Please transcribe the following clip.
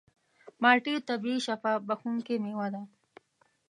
مالټې طبیعي شفا بښونکې مېوه ده.